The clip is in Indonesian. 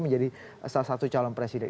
menjadi salah satu calon presiden